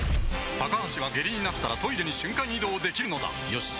高橋は下痢になったらトイレに瞬間移動できるのだよし。